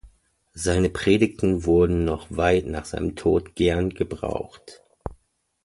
Seine Predigten wurden noch weit nach seinem Tod gern gebraucht.